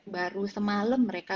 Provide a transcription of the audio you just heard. baru semalam mereka